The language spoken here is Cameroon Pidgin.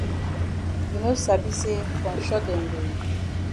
You no sabi say konshot dem dey?